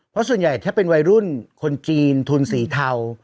เพราะส่วนใหญ่ถ้าเป็นวัยรุ่นคนจีนทุนสีเทา